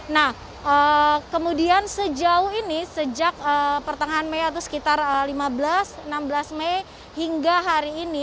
nah kemudian sejauh ini sejak pertengahan mei atau sekitar lima belas enam belas mei hingga hari ini